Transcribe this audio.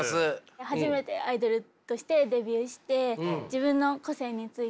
初めてアイドルとしてデビューして自分の個性について悩んでます。